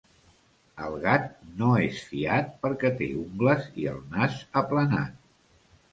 El gat no és fiat perquè té ungles i el nas aplanat.